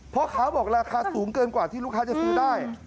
พ่อค้าบอกราคาสูงเกินกว่าที่ลูกค้าจะซื้อได้